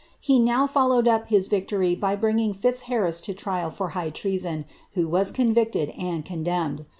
He now followed up his victory by bringing Fitzharris to trial for high treason, who was roo victed and condemned.